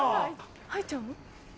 入っちゃうの？